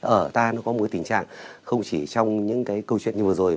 ở ta nó có một cái tình trạng không chỉ trong những cái câu chuyện như vừa rồi